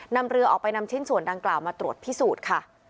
นำเรือออกไปนำชิ้นส่วนดังกล่าวมาตรวจพิสูจน์ค่ะ